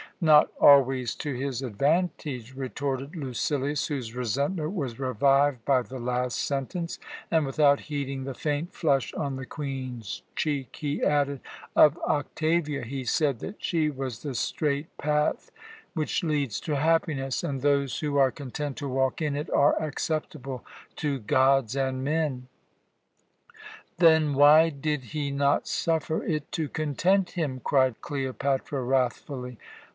"Not always to his advantage," retorted Lucilius, whose resentment was revived by the last sentence and, without heeding the faint flush on the Queen's cheek, he added: "Of Octavia he said that she was the straight path which leads to happiness, and those who are content to walk in it are acceptable to gods and men." "Then why did he not suffer it to content him?" cried Cleopatra wrathfully.